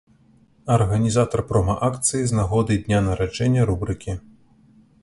Арганізатар прома-акцыі з нагоды дня нараджэння рубрыкі.